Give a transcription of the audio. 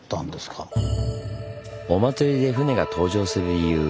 お祭りで船が登場する理由。